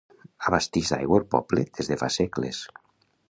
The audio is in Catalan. Abastix d'aigua al poble des de fa segles.